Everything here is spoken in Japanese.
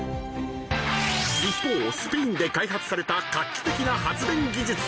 ［一方スペインで開発された画期的な発電技術］